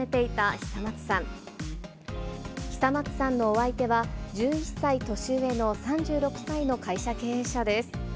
久松さんのお相手は、１１歳年上の３６歳の会社経営者です。